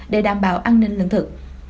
để đảm bảo an ninh lương thực